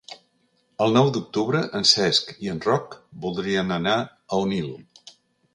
El nou d'octubre en Cesc i en Roc voldrien anar a Onil.